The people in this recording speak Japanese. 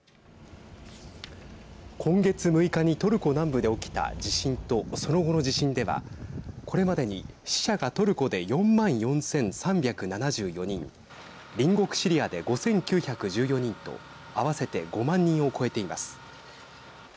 今月６日にトルコ南部で起きた地震とその後の地震ではこれまでに死者がトルコで４万４３７４人隣国シリアで５９１４人と合わせて５万人を超えています。